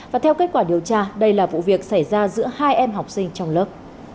và theo kết quả điều tra đây là vụ việc xảy ra giữa hai em học sinh trong lớp